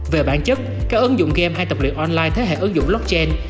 về bản chất các ứng dụng game hay tập luyện online thế hệ ứng dụng blockchain